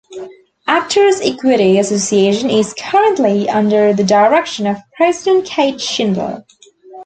Actor's Equity Association is currently under the direction of President Kate Shindle.